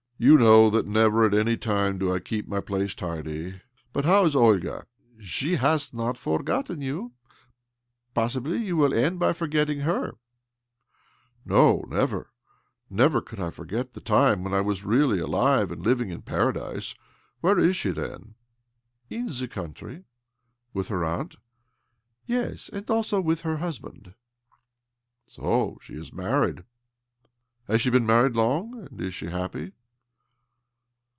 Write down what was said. " You know that never at any time do I keep my place tidy. But how is Olga?" " She has not forgotten you. Possibly you will erid by forgetting herl "" No, never ! Never could I forget the time when I was really alive and living in Paradise. Where is she, then ?"" In the country." " With her aunt ?"" Yes— and also with her husband." " So she is married ? Has she been mar ried long? And is she happy?"